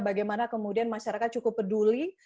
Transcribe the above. bagaimana kemudian masyarakat cukup peduli